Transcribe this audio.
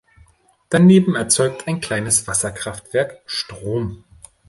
Daneben erzeugt ein kleines Wasserkraftwerk Strom.